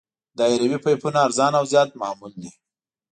دایروي پایپونه ارزانه او زیات معمول دي